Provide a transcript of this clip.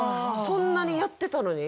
そんなにやってたのに？